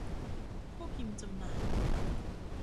ผู้พิมพ์จำหน่าย